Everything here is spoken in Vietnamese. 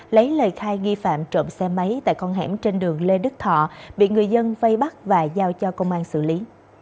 lấy lời khai nghi phạm trộm xe máy tại con hẻm trên đường lê đức thọ bị người dân vây bắt và giao cho công an xử lý